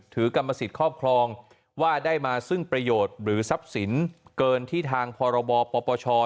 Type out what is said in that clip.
กรรมสิทธิ์ครอบครองว่าได้มาซึ่งประโยชน์หรือทรัพย์สินเกินที่ทางพรบปปช